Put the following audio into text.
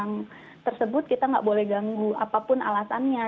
kalau kita nggak mengenal orang tersebut kita nggak boleh ganggu apapun alasannya